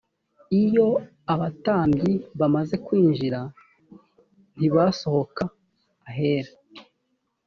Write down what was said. iyo abatambyi bamaze kwinjira ntibasohoka ahera.